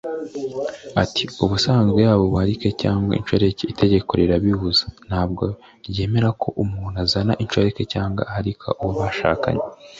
Ati “Ubusanzwe yaba ubuharike cyangwa inshoreke itegeko rirabibuza ntabwo ryemera ko umuntu azana inshoreke cyangwa aharika uwo bashakanye